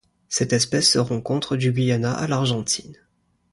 Cette espèce se rencontre du Guyana à l'Argentine.